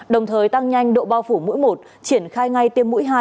đồng thời tăng nhanh độ bao phủ mỗi một triển khai ngay tiêm mũi hai